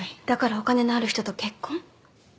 だからお金のある人と結婚？